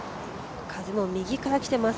風も右から来ています